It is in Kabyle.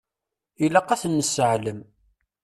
Ilaq ad ten-nesseɛlem.